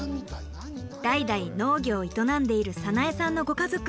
代々農業を営んでいる早苗さんのご家族。